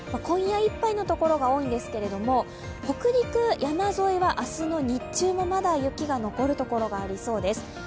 今夜いっぱいのところが多いんですけれども、北陸の山沿いは明日の日中もまだ雪が残るところがありそうです。